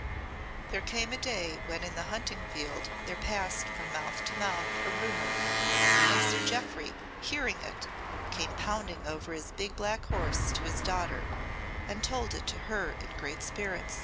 There came a day when in the hunting field there passed from mouth to mouth a rumour, and Sir Jeoffry, hearing it, came pounding over on his big black horse to his daughter and told it to her in great spirits.